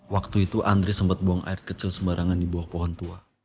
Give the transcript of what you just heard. waktu itu andri sempat buang air kecil sembarangan di bawah pohon tua